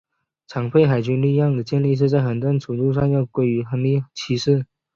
常备海军力量的建立在很大程度上要归功于亨利七世。